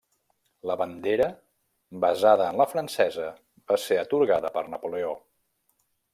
La bandera, basada en la francesa, va ser atorgada per Napoleó.